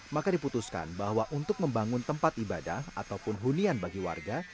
maka diputuskan bahwa untuk membangun tempat ibadah ataupun hunian bagi warga